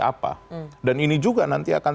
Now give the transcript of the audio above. apa dan ini juga nanti akan